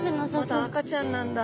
まだ赤ちゃんなんだ。